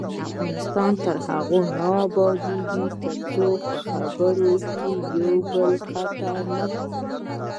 افغانستان تر هغو نه ابادیږي، ترڅو په خبرو کې یو بل قطع نکړو.